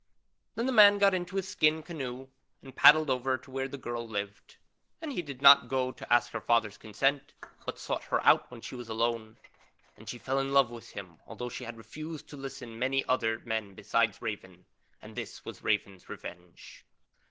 Then the man got into his skin canoe and paddled over to where the girl lived, and he did not go to ask her father's consent but sought her out when she was alone, and she fell in love with him although she had refused to listen to many other men besides Raven, and this was Raven's revenge.